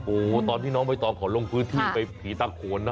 โอ้โหตอนที่น้องใบตองเขาลงพื้นที่ไปผีตาโขนนะ